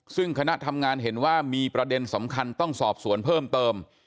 ซึ่งคณะทำงานเห็นว่ามีประเด็นสำคัญต้องสอบสวนเพิ่มเติม